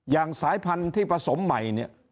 สายพันธุ์ที่ผสมใหม่เนี่ย